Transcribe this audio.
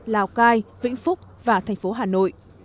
lào cai vĩnh phúc và thành phố hà nội